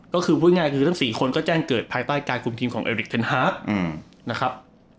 ก็คือพูดง่ายคือทั้ง๔คนก็แจ้งเกิดภายใต้การคุมทีมของเอริกเทนฮาร์กนะครับ